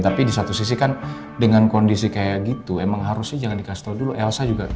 tapi di satu sisi kan dengan kondisi kayak gitu emang harusnya jangan dikasih tahu dulu elsa juga